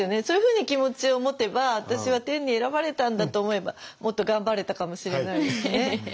そういうふうに気持ちを持てば私は天に選ばれたんだと思えばもっと頑張れたかもしれないですね。